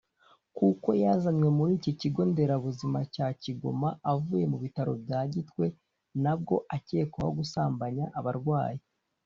kuko yazanywe muri iki kigo nderabuzima cya Kigoma avuye mu bitaro bya Gitwe nabwo akekwaho gusambanya abarwayi